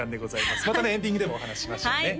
またねエンディングでもお話ししましょうね